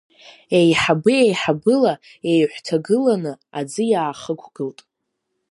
Еиҳабы-еиҳабыла еиҳәҭагыланы аӡы иаахықәгылт.